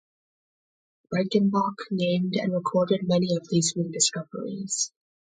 Reichenbach named and recorded many of these new discoveries.